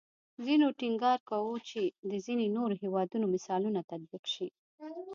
ځینو ټینګار کوو چې د ځینې نورو هیوادونو مثالونه تطبیق شي